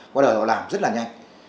qua đời họ làm rất là nhanh